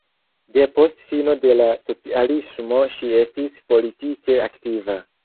Depost fino de la socialismo ŝi estis politike aktiva.